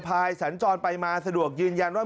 สัญจรไปมาสะดวกยืนยันว่า